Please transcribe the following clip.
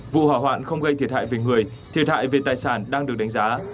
vụ hỏa hoạn không gây thiệt hại về người thiệt hại về tài sản đang được đánh giá